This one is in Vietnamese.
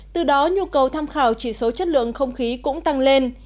từ đó nhu cầu tham khảo chỉ số chất lượng không khí cũng tăng lên